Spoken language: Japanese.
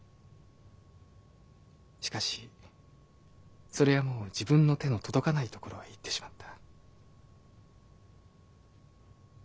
しかしそれはもう自分の手の届かない所へ行ってしまった。